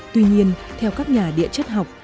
tuy nhiên theo các nhà địa chất học